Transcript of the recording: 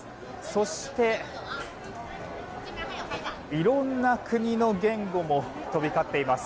そして、いろんな国の言語も飛び交っています。